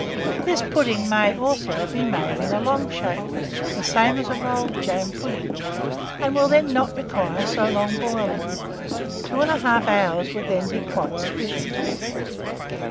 This pudding may, also, be made in a long shape, the same as a rolled jam pudding, and will then not require so long boiling; 2 1/2 hours would then be quite sufficient.